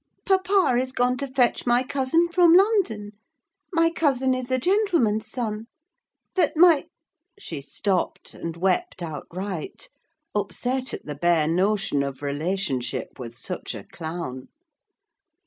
"Papa is gone to fetch my cousin from London: my cousin is a gentleman's son. That my—" she stopped, and wept outright; upset at the bare notion of relationship with such a clown.